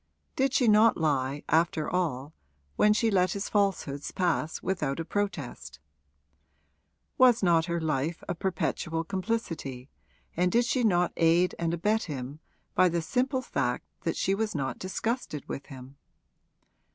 Did she not lie, after all, when she let his falsehoods pass without a protest? Was not her life a perpetual complicity, and did she not aid and abet him by the simple fact that she was not disgusted with him?